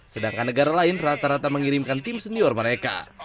sedangkan negara lain rata rata mengirimkan tim senior mereka